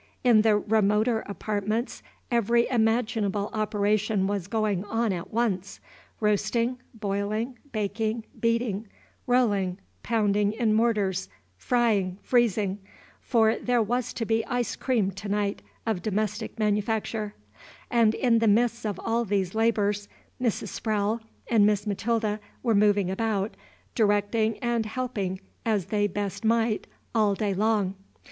In the remoter apartments every imaginable operation was going on at once, roasting, boiling, baking, beating, rolling, pounding in mortars, frying, freezing; for there was to be ice cream to night of domestic manufacture; and in the midst of all these labors, Mrs. Sprowle and Miss Matilda were moving about, directing and helping as they best might, all day long.